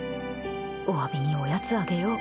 お詫びに、おやつあげよう。